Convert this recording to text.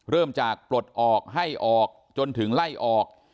เริ่มจากปลดออกให้ออกจนถึงไล่ออก